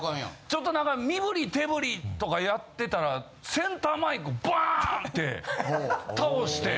ちょっと何か身振り手振りとかやってたらセンターマイクバーン！って倒して。